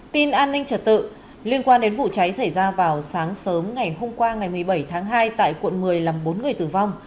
tin an ninh trật tự liên quan đến vụ cháy xảy ra vào sáng sớm ngày hôm qua ngày một mươi bảy tháng hai tại quận một mươi làm bốn người tử vong